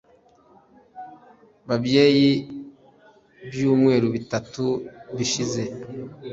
babyaye ibyumweru bitatu bishize.